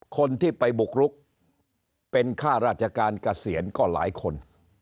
คนที่ไปบุกรุกเป็นค่าราชการเกษียณก็หลายคน